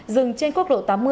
dừng trên quốc lộ tám mươi